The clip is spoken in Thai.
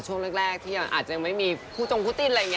ช่วงแรกที่อาจจะไม่มีผู้จงผู้ติดอะไรอย่างนี้